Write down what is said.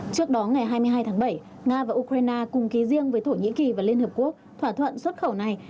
trước đó ngày hai mươi hai tháng bảy nga và ukraine cùng ký riêng với thổ nhĩ kỳ và liên hợp quốc thỏa thuận xuất khẩu này